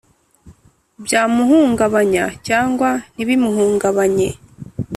byamuhungabanya cyangwa ntibimuhungabanye,